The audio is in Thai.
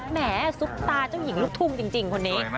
แหมซุปตาเจ้าหญิงลูกทุ่งจริงคนนี้